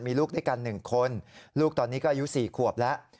มีลูกด้วยกัน๑คนลูกตอนนี้ก็อายุ๔ขวบแล้ว